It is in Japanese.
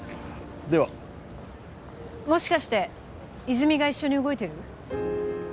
ではもしかして泉が一緒に動いてる？